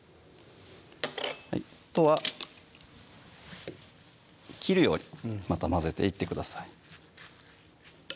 あとは切るようにまた混ぜていってください